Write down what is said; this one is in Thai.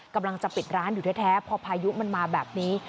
กำลังจะปิดร้านอยู่แท้พอพายุมันมาแบบนี้